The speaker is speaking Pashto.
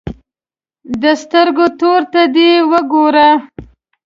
د سترګو تورې ته دې وګوره.